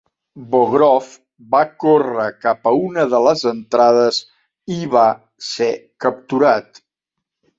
Bogrov va córrer cap a una de les entrades i va ser capturat.